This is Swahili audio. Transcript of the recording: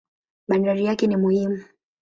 Bandari yake ni muhimu.